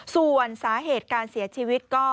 ส่วนสาเหตุการเสียชีวิตก็